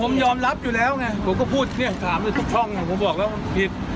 ผมยอมรับอยู่แล้วไงผมก็พูดเที่ยงถามอยู่ทุกช่องผมบอกแล้วผิด